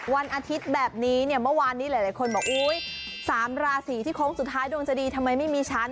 วันอาทิตย์แบบนี้เนี่ยเมื่อวานนี้หลายคนบอกอุ๊ย๓ราศีที่โค้งสุดท้ายดวงจะดีทำไมไม่มีฉัน